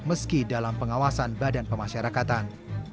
meski dalam pengawasan badan pemasyarakatan